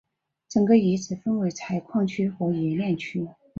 整个遗址分为采矿区和冶炼区。